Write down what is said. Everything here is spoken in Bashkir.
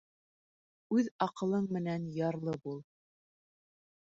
Үҙ аҡылың менән ярлы бул.